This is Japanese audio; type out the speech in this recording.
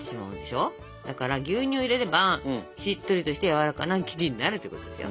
だから牛乳入れればしっとりとしてやわらかな生地になるということですよ。